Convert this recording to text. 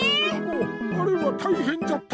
あれはたいへんじゃった！